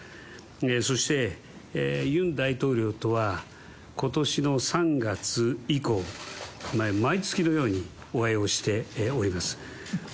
そして、ユン大統領とは、ことしの３月以降、毎月のようにお会いをしております。